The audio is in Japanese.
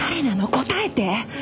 答えて。